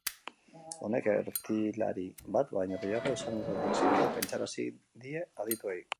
Honek, ertilari bat baino gehiago izango zirela pentsarazi die adituei.